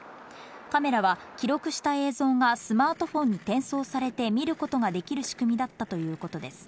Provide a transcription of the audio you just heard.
カメラは記録した映像がスマートフォンに転送されて、見ることができる仕組みだったということです。